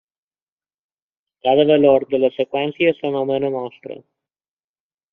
Cada valor de la seqüència s'anomena mostra.